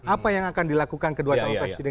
apa yang akan dilakukan kedua calon presiden